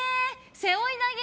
背負い投げ！